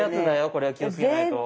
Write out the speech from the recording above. これ気をつけないと。